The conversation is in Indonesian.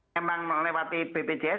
memang melewati bpjs